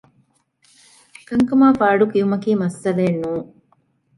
ކަންކަމަށް ފާޑު ކިއުމަކީ މައްސަލައެއް ނޫން